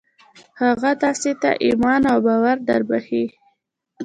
هغه تاسې ته ايمان او باور دربښي.